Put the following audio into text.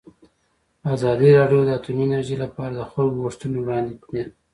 ازادي راډیو د اټومي انرژي لپاره د خلکو غوښتنې وړاندې کړي.